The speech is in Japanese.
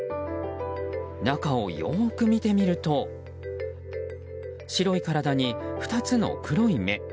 中をよく見てみると白い体に２つの黒い目。